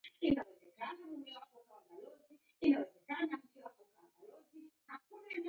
Ofwana ulole chagu kizima.